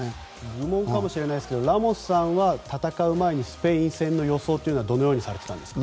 愚問かもしれないですけどラモスさんは戦う前にスペイン戦の予想はどのようにされていましたか。